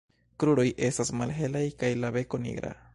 Kruroj estas malhelaj kaj la beko nigra.